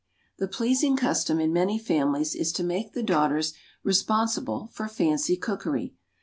THE pleasing custom in many families is to make the daughters responsible for "fancy cookery."